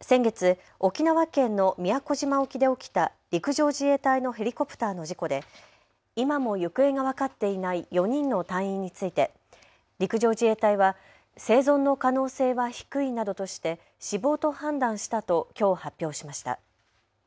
先月、沖縄県の宮古島沖で起きた陸上自衛隊のヘリコプターの事故で今も行方が分かっていない４人の隊員について陸上自衛隊は生存の可能性は低いなどとして死亡と判断したときょう発表しました。